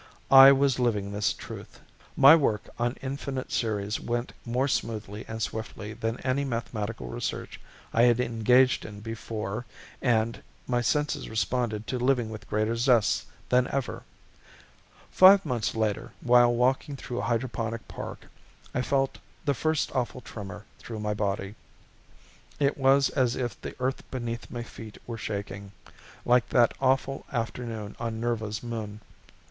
I was living this truth. My work on infinite series went more smoothly and swiftly than any mathematical research I had engaged in before and my senses responded to living with greater zest than ever. Five months later, while walking through Hydroponic Park, I felt the first awful tremor through my body. It was as if the earth beneath my feet were shaking, like that awful afternoon on Nirva's moon.